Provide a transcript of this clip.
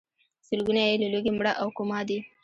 سلګونه یې له لوږې مړه او کوما دي.